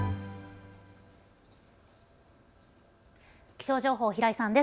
気象情報、平井さんです。